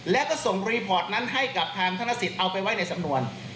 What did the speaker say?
แล้วก็ส่งรีพอร์ตนั้นให้กับทางธนสิทธิ์เอาไปไว้ในสำนวน